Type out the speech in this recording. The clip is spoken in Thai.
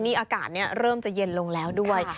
นี่อากาศเริ่มจะเย็นลงแล้วด้วย